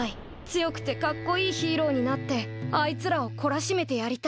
強くてかっこいいヒーローになってあいつらをこらしめてやりたい。